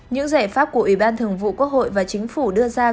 những giải pháp của ủy ban thường vụ quốc hội và chính phủ đưa ra